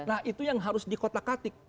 nah itu yang harus dikotak katik